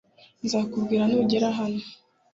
Nzakubwira nugera hano